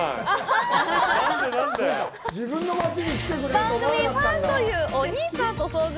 番組のファンというお兄さんと遭遇。